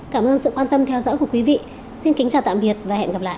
cảm ơn sự quan tâm theo dõi của quý vị xin kính chào tạm biệt và hẹn gặp lại